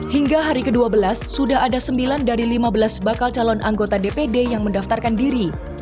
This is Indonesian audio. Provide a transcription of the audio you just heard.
hingga hari ke dua belas sudah ada sembilan dari lima belas bakal calon anggota dpd yang mendaftarkan diri